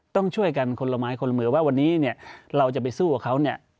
ต้องช่วยกันคนละไม้คนละมือว่าวันนี้เนี่ยเราจะไปสู้กับเขาเนี่ย